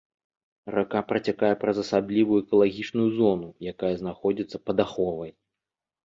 Рака працякае праз асаблівую экалагічную зону, якая знаходзіцца пад аховай.